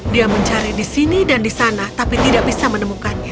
dia mencari di sini dan di sana tapi tidak bisa menemukannya